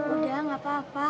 udah gak apa apa